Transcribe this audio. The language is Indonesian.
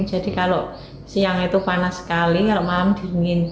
jadi kalau siang itu panas sekali kalau malam dingin